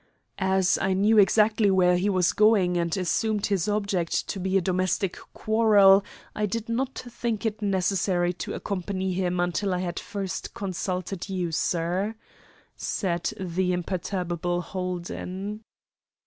"As I knew exactly where he was going, and assumed his object to be a domestic quarrel, I did not think it necessary to accompany him until I had first consulted you, sir," said the imperturbable Holden.